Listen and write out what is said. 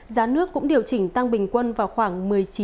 giá nước cũng điều chỉnh tăng bình quân vào khoảng một mươi chín